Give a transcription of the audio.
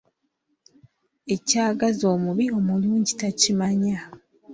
Ekyagaza omubi, omulungi takimanya.